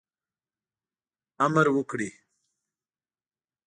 امر وکړي.